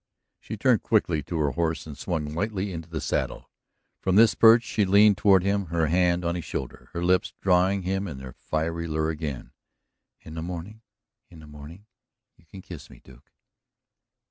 She turned quickly to her horse and swung lightly into the saddle. From this perch she leaned toward him, her hand on his shoulder, her lips drawing him in their fiery lure again. "In the morning in the morning you can kiss me, Duke!"